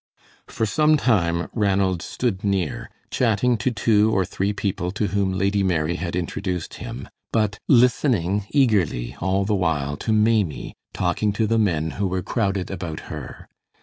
For some time Ranald stood near, chatting to two or three people to whom Lady Mary had introduced him, but listening eagerly all the while to Maimie talking to the men who were crowded about her.